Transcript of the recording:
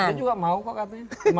tapi juga mau kok katanya